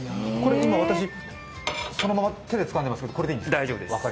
今私、そのまま手でつかんでますけどこれでいいですか？